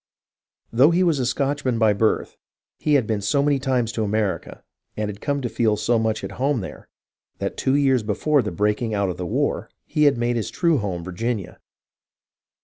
Though he was a Scotchman by birth, he had been so many times to America, and had come to feel so much at home there, that two years before the breaking out of the war, he had made his true home in Virginia.